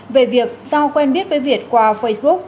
về việc giao quen biết với việt qua facebook